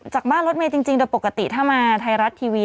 จากบ้านรถเมย์จริงโดยปกติถ้ามาไทยรัฐทีวี